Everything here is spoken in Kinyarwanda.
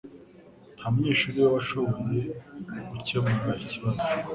Nta munyeshuri we washoboye gukemura ikibazo.